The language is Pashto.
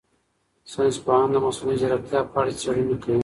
ساینس پوهان د مصنوعي ځیرکتیا په اړه څېړنې کوي.